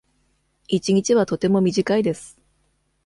一日はとても短いです。